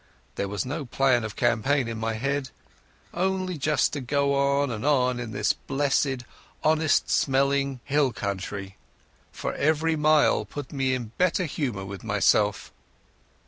There was no plan of campaign in my head, only just to go on and on in this blessed, honest smelling hill country, for every mile put me in better humour with myself.